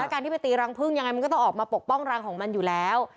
การที่ไปตีรังพึ่งยังไงมันก็ต้องออกมาปกป้องรังของมันอยู่แล้ว